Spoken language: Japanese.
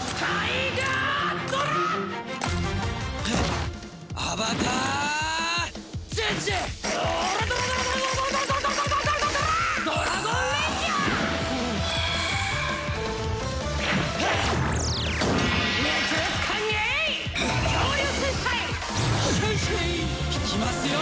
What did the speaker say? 「謝謝！」いきますよ！